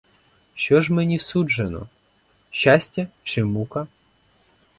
Що ж мені суджено — щастя чи мука?